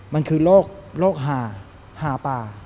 มันคือโรคหาป่า